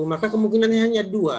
maka kemungkinannya hanya dua